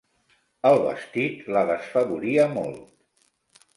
El vestit la desfavoria molt.